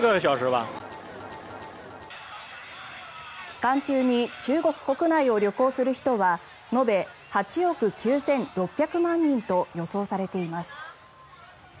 期間中に中国国内を旅行する人は延べ８億９６００万人と予想されています。